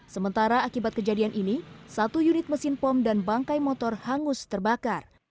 sementara akibat kejadian ini satu unit mesin pom dan bangkai motor hangus terbakar